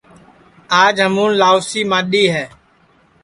آج ہمُون لاؤسی ماڈؔی ہے